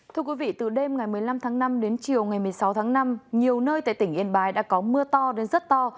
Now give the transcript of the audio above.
từ đêm ngày một mươi năm tháng năm đến chiều ngày một mươi sáu tháng năm nhiều nơi tại tỉnh yên bái đã có mưa to đến rất to